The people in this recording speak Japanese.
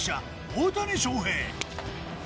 大谷翔平